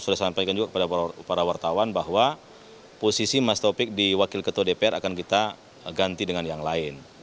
saya sampaikan juga kepada para wartawan bahwa posisi mas taufik di wakil ketua dpr akan kita ganti dengan yang lain